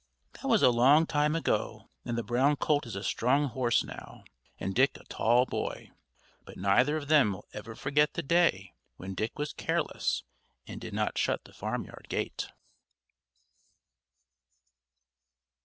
That was a long time ago, and the brown colt is a strong horse now, and Dick a tall boy; but neither of them will ever forget the day when Dick was careless and did not shut the farmyard gate.